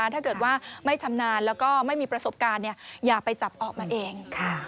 ถ้าเกิดว่าไม่ชำนาญแล้วก็ไม่มีประสบการณ์อย่าไปจับออกมาเอง